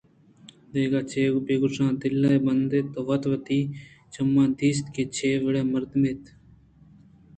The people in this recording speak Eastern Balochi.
دگہ چے بہ گوٛشاں دل ءِ بند تو وت وتی چماں دیست کہ چے وڑیں مردمے اَت